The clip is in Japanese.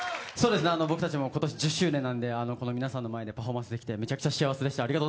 僕たちも今年１０周年なんで皆さんの前でパフォーマンスができてめちゃくちゃ幸せでした。